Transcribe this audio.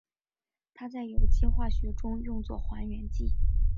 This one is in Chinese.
它在有机化学中用作还原剂。